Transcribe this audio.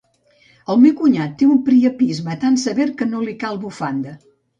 El meu cunyat té un priapisme tan sever que no li cal bufanda.